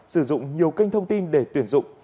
sử dụng nhiều kênh thông tin để tuyển dụng